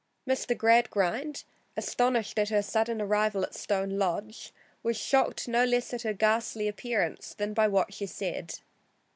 Mr. Gradgrind, astonished at her sudden arrival at Stone Lodge, was shocked no less at her ghastly appearance than by what she said.